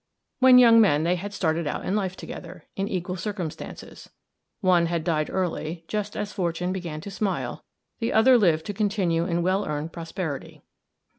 When young men, they had started out in life together, in equal circumstances; one had died early, just as fortune began to smile; the other lived to continue in well earned prosperity.